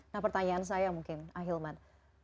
nah pertanyaan saya mungkin ahilman